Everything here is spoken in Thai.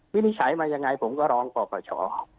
วินิจฉัยมายังไงผมก็ร้องก่อประชาออก